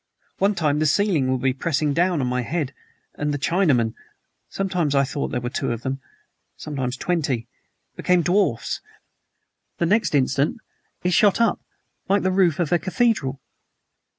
One time the ceiling would be pressing down on my head, and the Chinamen sometimes I thought there were two of them, sometimes twenty became dwarfs; the next instant it shot up like the roof of a cathedral.